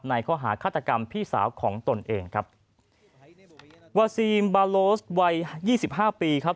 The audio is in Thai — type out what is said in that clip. ข้อหาฆาตกรรมพี่สาวของตนเองครับวาซีมบาโลสวัยยี่สิบห้าปีครับ